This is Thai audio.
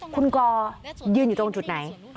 คุณกอยืนอยู่ตรงจุดไหน